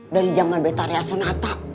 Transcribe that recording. dari zaman betaria sonata